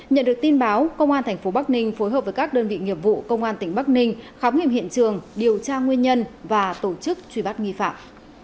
nhận được tin báo công an tp bắc ninh phối hợp với các đơn vị nghiệp vụ công an tỉnh bắc ninh khám nghiệm hiện trường điều tra nguyên nhân và tổ chức truy bắt nghi phạm